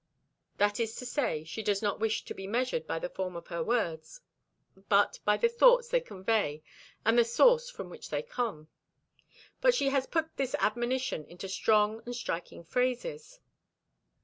That is to say, she does not wish to be measured by the form of her words, but by the thoughts they convey and the source from which they come. And she has put this admonition into strong and striking phrases.